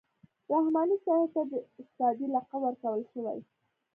رحماني صاحب ته د استادۍ لقب ورکول شوی.